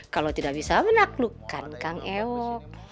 kalau tidak bisa menaklukkan kang emil